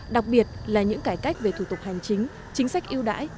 đặc biệt là những cải cách về thủ tục hành chính chính sách yêu đãi